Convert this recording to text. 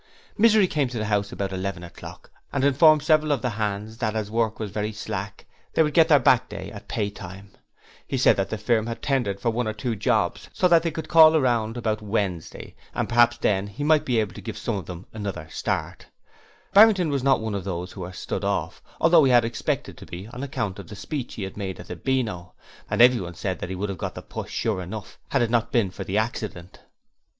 Misery came to the house about eleven o'clock and informed several of the hands that as work was very slack they would get their back day at pay time. He said that the firm had tendered for one or two jobs, so they could call round about Wednesday and perhaps he might then be able to give some of them another start, Barrington was not one of those who were 'stood off', although he had expected to be on account of the speech he had made at the Beano, and everyone said that he would have got the push sure enough if it had not been for the accident.